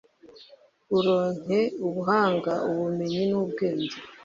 uronke ubuhanga ubumenyi n’ubwenge